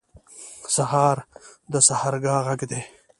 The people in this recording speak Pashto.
سهار د سحرګاه غږ دی.